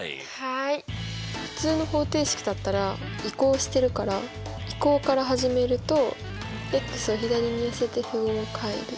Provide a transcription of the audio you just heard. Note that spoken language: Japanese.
普通の方程式だったら移項してるから移項から始めるとを左に寄せて符号を変える。